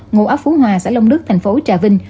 ngô áp phú hòa xã long đức thành phố trà vinh